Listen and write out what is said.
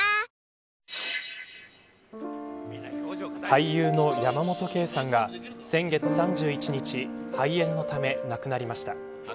俳優の山本圭さんが先月３１日肺炎のため亡くなりました。